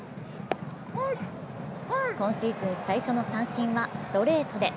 今シーズン最初の三振はストレートで。